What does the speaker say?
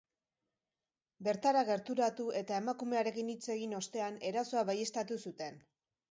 Bertara gerturatu eta emakumearekin hitz egin ostean, erasoa baieztatu zuten.